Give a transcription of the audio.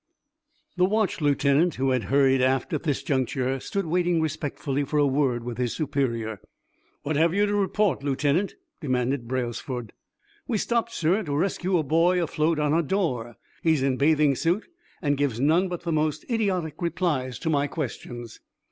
The watch lieutenant, who had hurried aft at this juncture, stood waiting respectfully for a word with his superior. "What have you to report, Lieutenant?" demanded Braylesford. "We stopped, sir, to rescue a boy afloat on a door. He's in bathing suit, and gives none but the most idiotic replies to my questions."